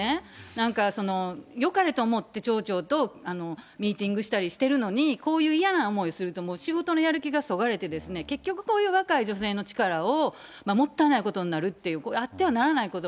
なんかよかれと思って町長とミーティングしたりしてるのに、こういう嫌な思いするともう仕事のやる気がそがれてですね、結局、こういう若い女性の力をもったいないことになるという、あってはならないこと。